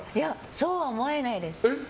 そうは思えないです。